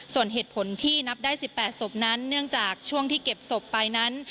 ส่วนเหตุผลที่นับได้๑๘ศพนั้นเนื่องจากช่วงที่เก็บศพไปนั้น